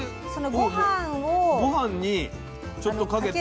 御飯にちょっとかけて。